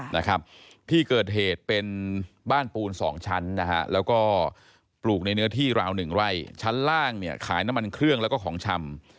นะครับที่เกิดเหตุเป็นบ้านปูนสองชั้นนะฮะแล้วก็ปลูกในเนื้อที่ราวหนึ่งไร่ชั้นล่างเนี่ยขายน้ำมันเครื่องแล้วก็ของชำ